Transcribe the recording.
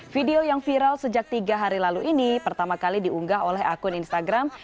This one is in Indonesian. video yang viral sejak tiga hari lalu ini pertama kali diunggah oleh akun instagram